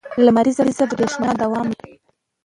لمریزه برېښنا دوام لري.